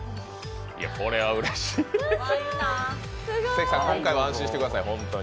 関さん、今回は安心してください。